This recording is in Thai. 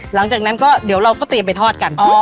หลังจากนั้นก็เดี๋ยวเราก็เตรียมไปทอดกัน